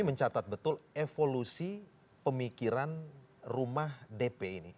mencatat betul evolusi pemikiran rumah dp ini